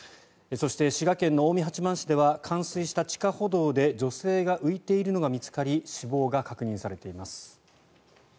そして、滋賀県の近江八幡市では冠水した地下歩道で女性が浮いているのが見つかり死亡が確認されています。